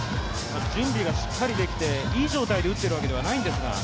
準備がしっかりできて、いい状態で打っているわけではないんですか。